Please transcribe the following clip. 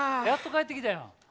やっと帰ってきたやん。